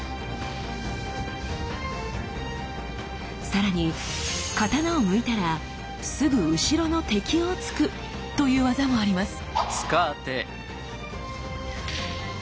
さらに刀を抜いたらすぐ後ろの敵を突くという業もあります。